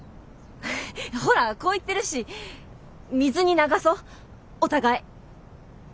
ほらこう言ってるし水に流そうお互い。